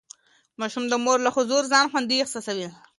ماشوم د مور له حضور ځان خوندي احساسوي.